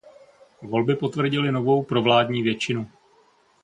Volby potvrdily novou provládní většinu.